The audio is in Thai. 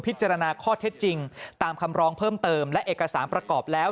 จารณข้อเท็จจริงตามคำร้องเพิ่มเติมและเอกสารประกอบแล้ว